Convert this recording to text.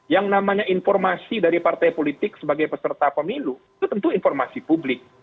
yang namanya informasi dari partai politik sebagai peserta pemilu itu tentu informasi publik